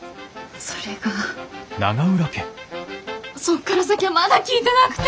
それがそっから先はまだ聞いてなくて。